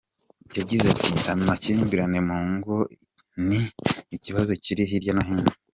Yagize ati “Amakimbirane mu ngo ni ikibazo kiri hirya no hino.